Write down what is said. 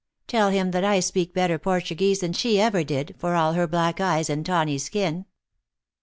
" Tell him that I speak better Portuguese than she ever did, for all her black eyes and tawny skin."